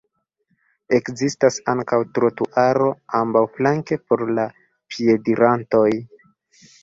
Ekzistas ankaŭ trotuaro ambaŭflanke por la piedirantoj.